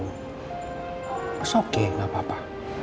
masa oke enggak apa apa